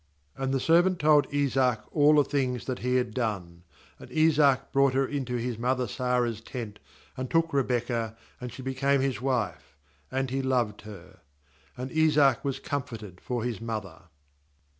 ^And the servant told Isjiac all the things that he had done. 67A nd Isaac brought her into his mower Sarah's tent, and took Rebekah, and she became his wife; and he loved her. And Isaac was comforted for his mother.